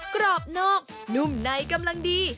กรอบนอกนุ่มในกำลังดี